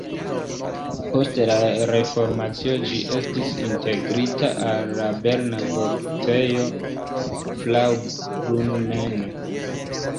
Post la reformacio ĝi estis integrita al la berna Voktejo Fraubrunnen.